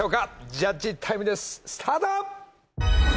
ジャッジタイムですスタート。